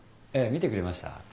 見てくれました？